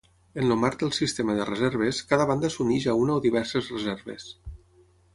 En el marc del sistema de reserves, cada banda s'uneix a una o diverses reserves.